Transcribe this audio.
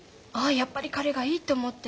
やっぱり彼がいいって思って。